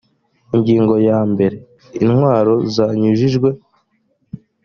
ingingo yambere intwaro zanyujijwe